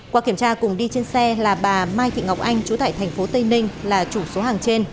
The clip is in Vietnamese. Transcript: qua kiểm tra cùng đi trên xe là bà mai thị ngọc anh chú tại tp tây ninh